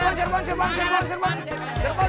pengendaran pengendaran pengendaran